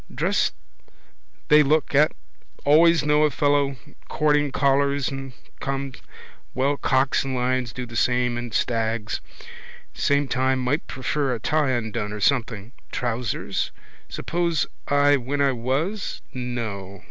Dress they look at. Always know a fellow courting: collars and cuffs. Well cocks and lions do the same and stags. Same time might prefer a tie undone or something. Trousers? Suppose I when I was? No.